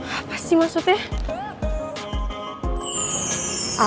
apa sih maksudnya